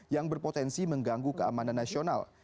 yang berpotensi mengganggu keamanan nasional